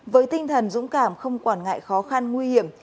với tinh thần dũng cảm không quản ngại khó khăn nguy hiểm